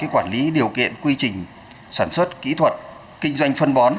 quản lý điều kiện quy trình sản xuất kỹ thuật kinh doanh phân